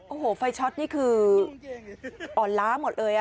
โอ้โหไฟช็อตนี่คืออ่อนล้าหมดเลย